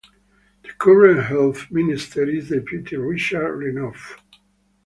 The current Health Minister is Deputy Richard Renouf.